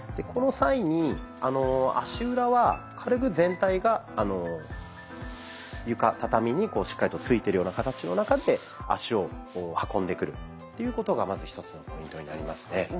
この際に足裏は軽く全体が床畳にしっかりとついてるような形の中で足を運んでくるっていうことがまず一つのポイントになりますね。